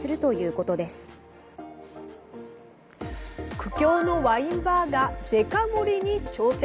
苦境のワインバーがデカ盛りに挑戦。